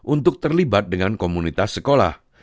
untuk terlibat dengan komunitas sekolah